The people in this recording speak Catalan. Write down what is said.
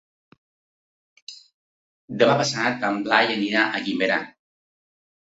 Demà passat en Blai anirà a Guimerà.